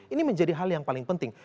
ini menjadi hal yang paling penting